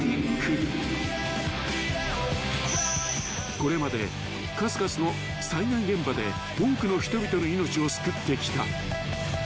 ［これまで数々の災害現場で多くの人々の命を救ってきた］